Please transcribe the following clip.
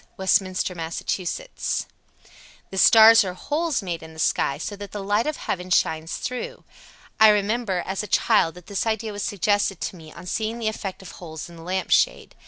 Westminster, Mass. 82. The stars are holes made in the sky, so that the light of heaven shines through. "I remember, as a child, that this idea was suggested to me on seeing the effect of holes in the lamp shade.